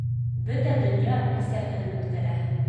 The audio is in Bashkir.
Бөтә донья Әсә көнөн үткәрә